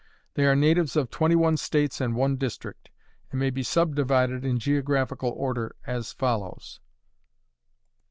They are natives of twenty one states and one district, and may be subdivided in geographical order as follows: 1.